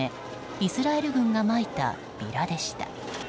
イスラエル軍がまいたビラでした。